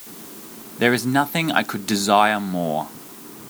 There is nothing I could desire more.